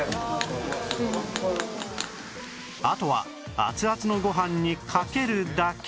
あとはアツアツのご飯にかけるだけ